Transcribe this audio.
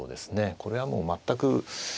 これはもう全く。